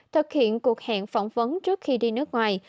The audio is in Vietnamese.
thực hiện cuộc hẹn phỏng vấn trước khi đi nước ngoài